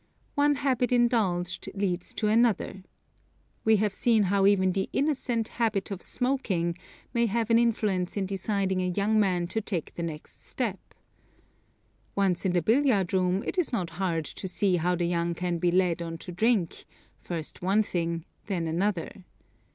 One habit indulged leads to another. We have seen how even the "innocent" habit of smoking may have an influence in deciding a young man to take the next step. Once in the billiard room it is not hard to see how the young can be led on to drink, first one thing, then another.